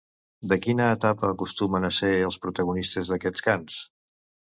De quina etapa acostumen a ser els protagonistes d'aquests cants?